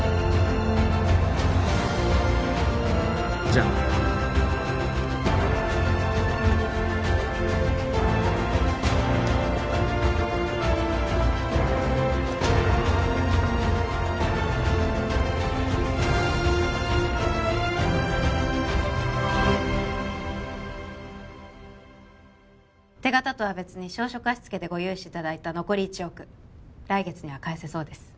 じゃあ手形とは別に証書貸付でご融資いただいた残り１億来月には返せそうです